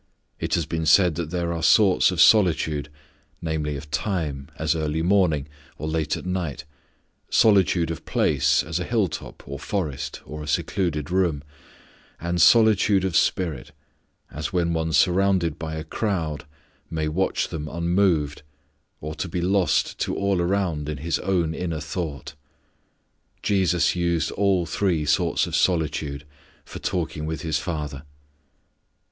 It has been said that there are sorts of solitude, namely, of time, as early morning, or late at night; solitude of place, as a hilltop, or forest, or a secluded room; and solitude of spirit, as when one surrounded by a crowd may watch them unmoved, or to be lost to all around in his own inner thought. Jesus used all three sorts of solitude for talking with His Father.